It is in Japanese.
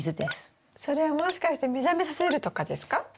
それはもしかして目覚めさせるとかですか？